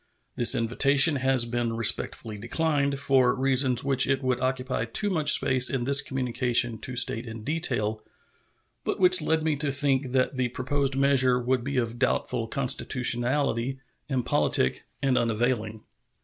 This invitation has been respectfully declined, for reasons which it would occupy too much space in this communication to state in detail, but which led me to think that the proposed measure would be of doubtful constitutionality, impolitic, and unavailing.